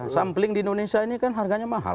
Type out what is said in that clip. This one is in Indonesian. sampling di indonesia ini kan harganya mahal